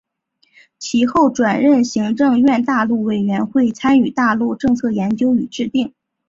其后转任行政院大陆委员会参与大陆政策研究与制定。